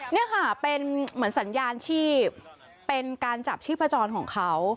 นี่ค่ะเป็นเหมือนสัญญาณที่เป็นการจับชีพจรของเขา